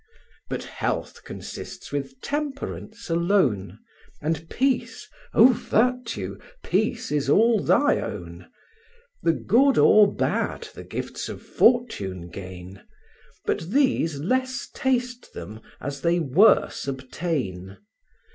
But health consists with temperance alone; And peace, oh, virtue! peace is all thy own. The good or bad the gifts of fortune gain; But these less taste them, as they worse obtain.